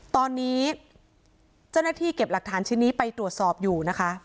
ตอนนี้เจ้าหน้าที่เก็บหลักฐานชิ้นนี้ไปตรวจสอบอยู่นะคะ